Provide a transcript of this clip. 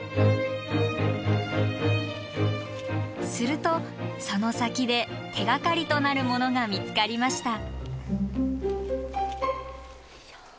するとその先で手がかりとなるものが見つかりました。